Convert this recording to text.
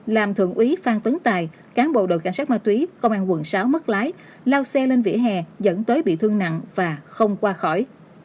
làm thượng úy phan tấn tài cán bộ đội cảnh sát ma túy công an quận sáu mất lái lao xe lên vỉa hè dẫn tới bị thương nặng và không qua khỏi